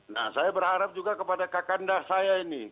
nah saya berharap juga kepada kak kandah saya ini